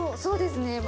そうですね。